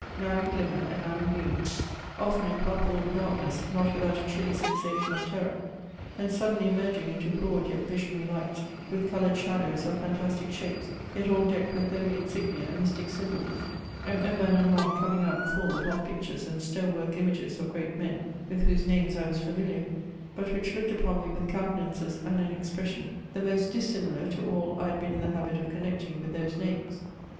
'Now in glimmer, and now in gloom;' often in palpable darkness not without a chilly sensation of terror; then suddenly emerging into broad yet visionary lights with coloured shadows of fantastic shapes, yet all decked with holy insignia and mystic symbols; and ever and anon coming out full upon pictures and stone work images of great men, with whose names I was familiar, but which looked upon me with countenances and an expression, the most dissimilar to all I had been in the habit of connecting with those names.